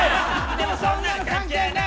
でもそんなの関係ねえ！